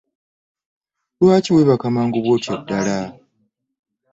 Lwaki weebaka mangu bw'otyo ddala?